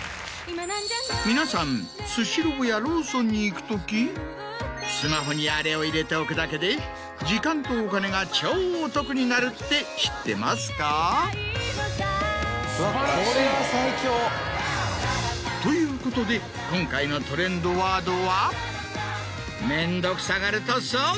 皆さんスシローやローソンに行くときスマホにあれを入れておくだけで時間とお金が超お得になるって知ってますか？ということで今回のトレンドワードは面倒くさがると損！